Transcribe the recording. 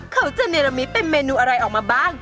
เขาจะเนรมิตเป็นเมนูอะไรออกมาบ้าง